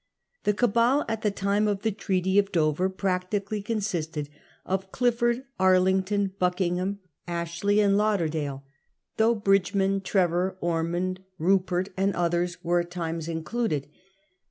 The Cabal, at the time of the Treaty of Dover, prac tically consisted of Clifford, Arlington, Buckingham, Ashley, and Lauderdale, though Bridgeman, Trevor, Or mond, Rupert, and others were at times included.